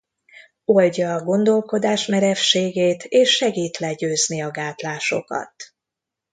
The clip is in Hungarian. Oldja a gondolkodás merevségét és segít legyőzni a gátlásokat.